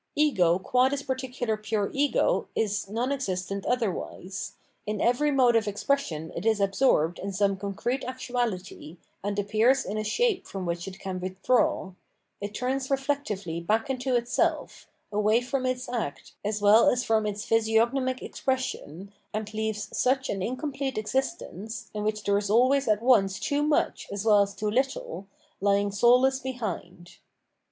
Ego qua this particular pure ego is non existent otherwise ; in every other mode of expression it is absorbed in some concrete actuality, and appears in a shape from which it can withdraw ; it turns reflectively back into itself, away from its act, as weU as from its physiognomic expression, and leaves such an incomplete existence, (in which there is always at once too much as well as too little), lying soul less behind.